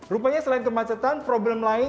rupanya selain kemacetan problem lain